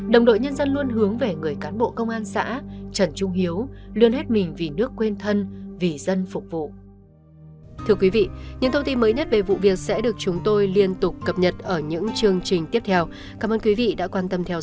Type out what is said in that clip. đồng đội nhân dân luôn hướng về người cán bộ công an xã trần trung hiếu luôn hết mình vì nước quên thân vì dân phục vụ